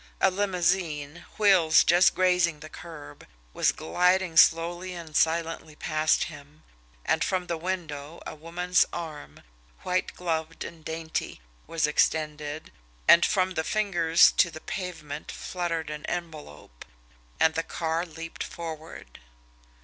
A limousine, wheels just grazing the curb, was gliding slowly and silently past him, and from the window a woman's arm, white gloved and dainty, was extended, and from the fingers to the pavement fluttered an envelope and the car leaped forward.